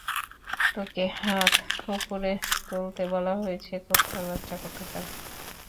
তোকে হাত উপরে তুলতে বলা হয়েছে, কুত্তার বাচ্চা কোথাকারে।